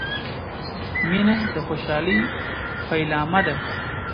• مینه د خوشحالۍ پیلامه ده.